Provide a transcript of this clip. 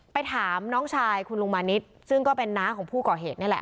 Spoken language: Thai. ไปถามน้องชายคุณลุงมานิดซึ่งก็เป็นน้าของผู้ก่อเหตุนี่แหละ